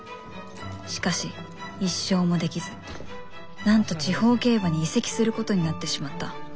しかし１勝もできずなんと地方競馬に移籍することになってしまった。